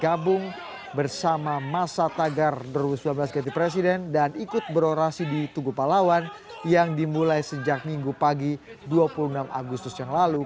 gabung bersama masa tagar dua ribu sembilan belas ganti presiden dan ikut berorasi di tugu pahlawan yang dimulai sejak minggu pagi dua puluh enam agustus yang lalu